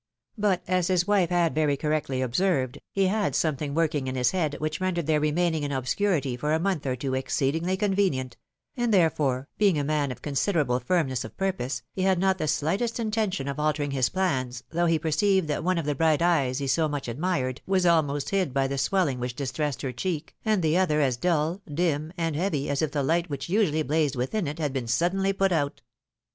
But as his wife had very correctly observed, he had sometliing work ing in his head which rendered their remaining in obscurity for a month or two exceedingly convenient ; and, therefore, being a man of considerable firmness of purpose, he had not the shghtest intention of altering lis plans, though he perceived that one of the bright eyes he so much admired was almost hid by the sweUing which distressed her cheek, and the other as duU, dim, and heavy as if the light which usually blazed within it had been suddenly put out.